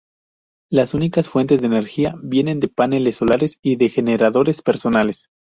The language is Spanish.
Las únicas fuentes de energía vienen de paneles solares y de generadores personales.